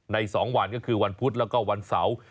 ๒วันก็คือวันพุธแล้วก็วันเสาร์